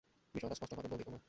বিষয়টা স্পষ্টভাবেই বলি তোমায়।